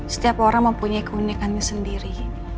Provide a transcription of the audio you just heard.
setiap orang mempunyai keunikannya sendiri